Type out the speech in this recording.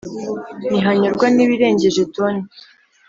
Ntihanyurwa n'ibirengeje toni